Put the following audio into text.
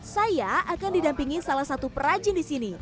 saya akan didampingi salah satu perajin disini